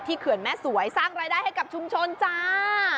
เขื่อนแม่สวยสร้างรายได้ให้กับชุมชนจ้า